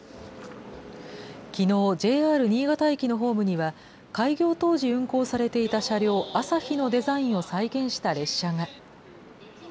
きのう、ＪＲ新潟駅のホームには、開業当時運行されていた車両あさひのデザインを再現した列車が。